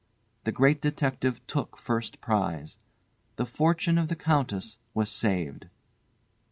The Great Detective took the first prize! The fortune of the Countess was saved.